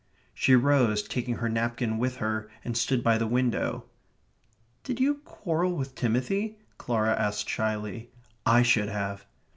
She rose, taking her napkin with her, and stood by the window. "Did you quarrel with Timothy?" Clara asked shyly. "I should have."